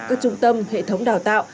các trung tâm hệ thống đào tạo